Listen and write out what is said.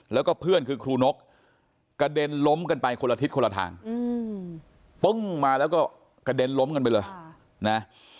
แล้วก็เพื่อนคือครูนกกระเด็นล้มกันไปคนละทิศคนละทางปึ้งมาแล้วก็กระเด็นล้มกันไปเลยนะ